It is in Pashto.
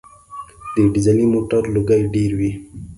د ډیزلي موټر لوګی ډېر وي.